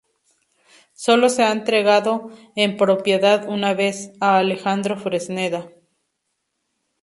Solo se ha entregado en propiedad una vez, a Alejandro Fresneda.